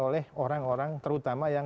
oleh orang orang terutama yang